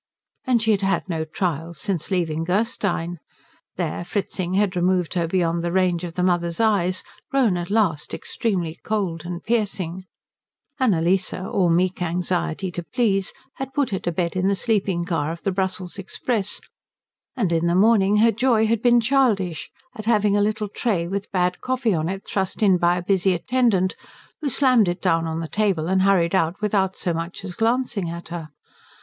And she had had no trials since leaving Gerstein. There Fritzing had removed her beyond the range of the mother's eyes, grown at last extremely cold and piercing; Annalise, all meek anxiety to please, had put her to bed in the sleeping car of the Brussels express; and in the morning her joy had been childish at having a little tray with bad coffee on it thrust in by a busy attendant, who slammed it down on the table and hurried out without so much as glancing at her.